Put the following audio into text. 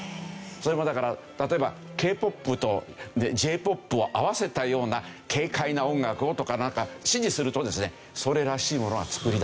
それもだから例えばＫーＰＯＰとＪーＰＯＰを合わせたような軽快な音楽をとかなんか指示するとですね。